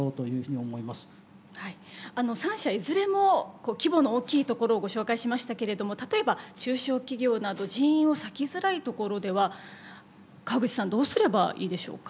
はい３社いずれも規模の大きいところをご紹介しましたけれども例えば中小企業など人員を割きづらいところでは河口さんどうすればいいでしょうか？